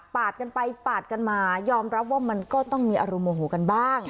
กันไปปาดกันมายอมรับว่ามันก็ต้องมีอารมณ์โมโหกันบ้าง